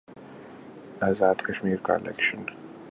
آزاد کشمیر کا الیکشن